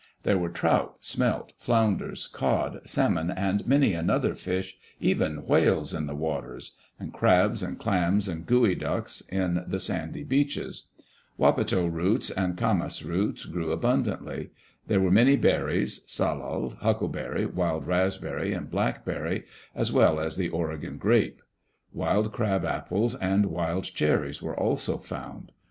There were trout, smelt, flounders, cod, salmon, and many another fish, even whales, in the waters ; and crabs and clams and goey ducks in the sandy beaches. Wapato roots and camas roots grew abundantly. There were many berries — salal, huckleberry, wild raspberry, and blackberry, as well as the Oregon grape; wild crab apples and wild cherries were also found.